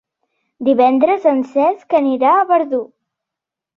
Divendres en Cesc anirà a Verdú.